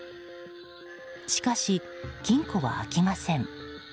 しかし、金庫は開きません。